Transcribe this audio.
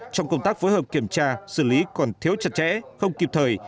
trong công tác phối hợp kiểm tra xử lý còn thiếu chặt chẽ không kịp thời